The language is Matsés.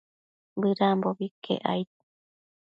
Bëdambobi iquec aid